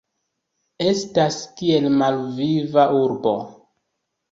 Estas kiel malviva urbo.